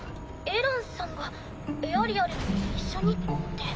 エランさんがエアリアルも一緒にって。